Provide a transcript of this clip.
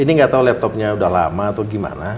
ini gak tau laptopnya udah lama atau gimana